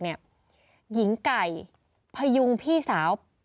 หญิงไก่พยุงพี่สาว